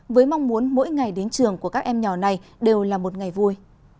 với mong muốn mỗi ngày đến trường của các em nhỏ này đều là một ngày vui